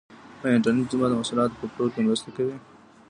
آیا انټرنیټ زما د محصولاتو په پلور کې مرسته کوي؟